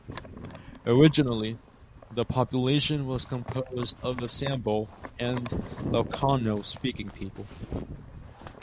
Originally, the population was composed of the Sambal and Ilocano speaking people.